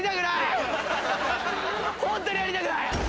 ホントにやりたくない。